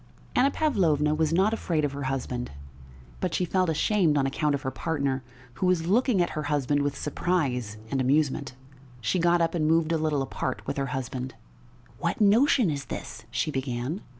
Anna Pavlovna was not afraid of her husband, but she felt ashamed on account of her partner, who was looking at her husband with surprise and amusement. She got up and moved a little apart with her husband. "What notion is this?" she began.